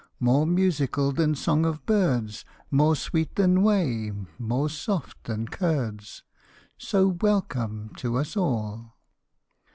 More musical than song of birds More sweet than whey, more soft than curds, So welcome to us all.